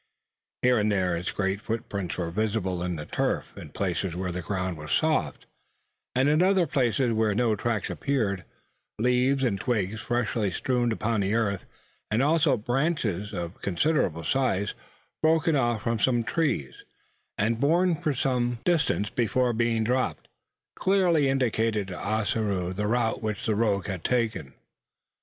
Here and there its great footprints were visible in the turf, in places where the ground was soft; and at other places where no tracks appeared, leaves and twigs freshly strewn upon the earth, and also branches of considerable size broken off from the trees, and borne for some distance before being dropped, clearly indicated to Ossaroo the route which the rogue had taken.